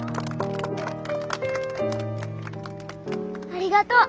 ありがとう。